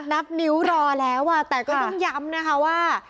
นับนิ้วรอแล้วแต่ก็ต้องย้ำนะคะว่า